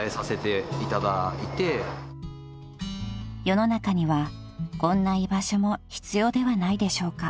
［「世の中にはこんな居場所も必要ではないでしょうか？」］